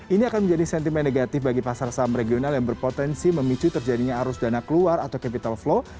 ini akan menjadi sentimen negatif bagi pasar saham regional yang berpotensi memicu terjadinya arus dana keluar atau capital flow